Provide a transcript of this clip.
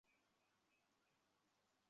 ভাবতেই রাগে মাথা গরম হয়ে গেল।